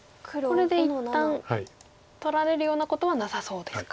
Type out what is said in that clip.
これで一旦取られるようなことはなさそうですか。